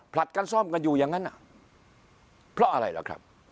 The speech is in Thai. ผลัดกันซ่อมกันอยู่อย่างนั้นเพราะอะไรล่ะครับ